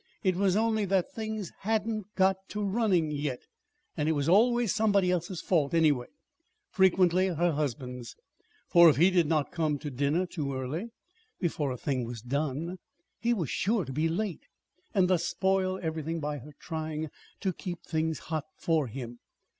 It was only that "things hadn't got to running yet." And it was always somebody else's fault, anyway, frequently her husband's. For if he did not come to dinner too early, before a thing was done, he was sure to be late, and thus spoil everything by her trying to keep things hot for him.